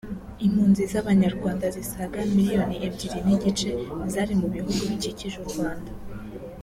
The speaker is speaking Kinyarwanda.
impunzi z’Abanyarwanda zisaga miliyoni ebyiri n’igice zari mu bihugu bikikije u Rwanda